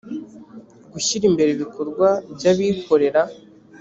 gushyira imbere ibikorwa by’abikorera